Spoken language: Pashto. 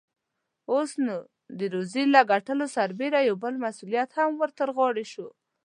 اوس، نو د روزۍ له ګټلو سربېره يو بل مسئوليت هم ور ترغاړې شو.